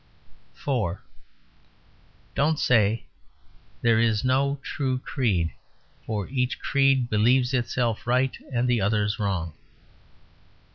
(4) Don't say, "There is no true creed; for each creed believes itself right and the others wrong."